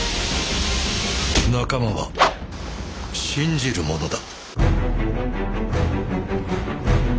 仲間は信じるものだ。